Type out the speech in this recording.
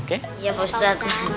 iya pak ustadz